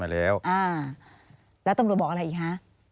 แล้วตำรวจบอกอะไรอีกคะ